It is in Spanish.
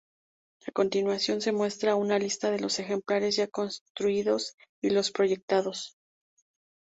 A continuación se muestra una lista de los ejemplares ya construidos y los proyectados.